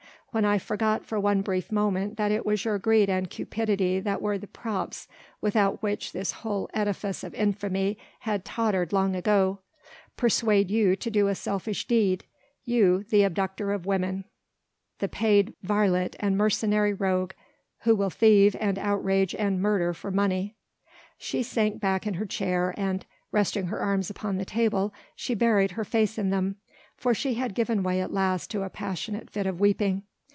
when I forgot for one brief moment that it was your greed and cupidity that were the props without which this whole edifice of infamy had tottered long ago; persuade you to do a selfish deed! you the abductor of women, the paid varlet and mercenary rogue who will thieve and outrage and murder for money!" She sank back in her chair and, resting her arms upon the table, she buried her face in them, for she had given way at last to a passionate fit of weeping.